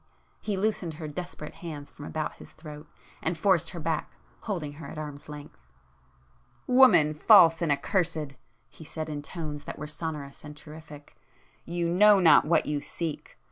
—he loosened her desperate hands from about his throat, and forced her back, holding her at arm's length. "Woman, false and accurséd!" he said in tones that were sonorous and terrific—"You know not what you seek!